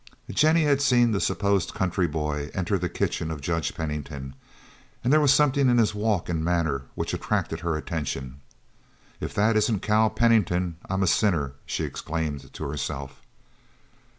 Jennie had seen the supposed country boy enter the kitchen of Judge Pennington, and there was something in his walk and manner which attracted her attention. "If that isn't Cal Pennington I am a sinner!" she exclaimed to herself.